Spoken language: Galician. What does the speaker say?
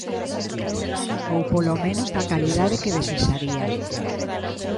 Ou polo menos da calidade que desexaría.